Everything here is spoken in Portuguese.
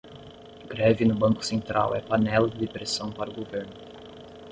Greve no Banco Central é panela de pressão para o governo